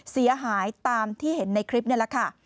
เสียหายตามที่เห็นในคลิปนี่แหละค่ะ